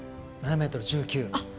７ｍ１９。